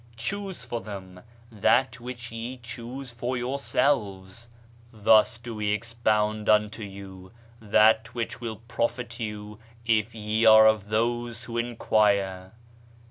Choose for them that which ye choose for yourselves : thus do we expound unto UNIVERSAL PEACE 125 you that which will profit you, if ye are of those who enquire."